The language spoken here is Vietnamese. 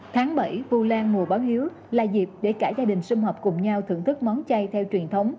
tháng bảy vũ lan mùa báo hiếu là dịp để cả gia đình xung hợp cùng nhau thưởng thức món chay theo truyền thống